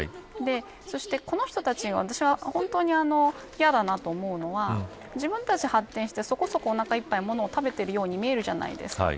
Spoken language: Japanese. そして、この人たちを私は本当に嫌だなと思うのは自分たちが発展してそこそこ、おなかいっぱいにものを食べているように見えるじゃないですか。